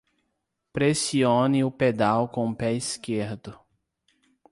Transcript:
Pressione o pedal com o pé esquerdo.